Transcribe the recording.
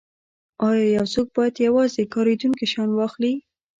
ایا یو څوک باید یوازې کاریدونکي شیان واخلي